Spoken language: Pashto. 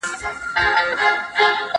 دا جواب ورکول له هغه مهم دي